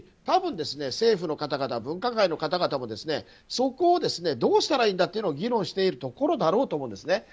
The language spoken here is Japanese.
多分、政府の方々分科会の方々もそこをどうしたらいいのか議論しているところだと思うんです。